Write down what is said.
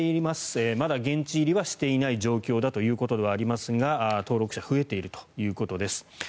まだ現地入りはしていない状況だということではありますが登録者が増えているということです。